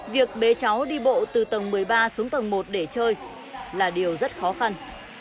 việc bế cháu đi bộ từ tầng một mươi ba xuống tầng một để chơi là điều rất khó khăn